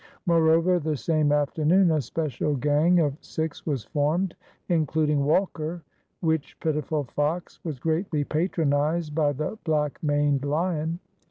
Moreover, the same afternoon a special gang of six was formed, including Walker, which pitiful fox was greatly patronized by the black maned lion.